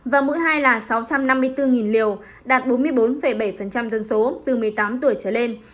và mỗi hai là sáu trăm năm mươi bốn liều đạt bốn mươi bốn bảy dân số từ một mươi tám tuổi trở lên